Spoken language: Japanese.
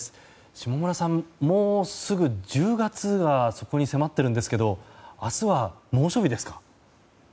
下村さん、もうすぐ１０月がそこに迫っているんですが明日は猛暑日ですか？